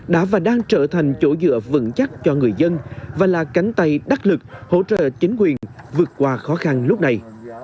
đã và đang trở thành chỗ dựa vững chắc cho người dân và là cánh tay đắc lực hỗ trợ chính quyền vượt qua khó khăn lúc này